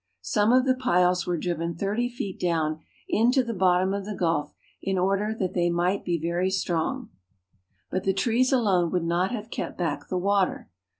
Some of the piles were driven thirty feet down into the bottom of the gulf in order that they might be very strong. But the trees alone would not have kept back the water.